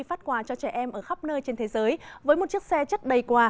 phát quà cho trẻ em ở khắp nơi trên thế giới với một chiếc xe chất đầy quà